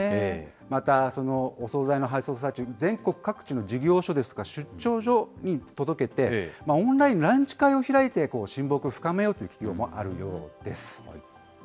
またお総菜の配送先、全国各地の事業所ですとか、出張所に届けて、オンラインのランチ会を開いて親睦を深めようという企業もあるようです。